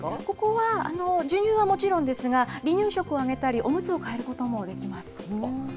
ここは授乳はもちろんですが、離乳食をあげたりおむつを替えることもできます。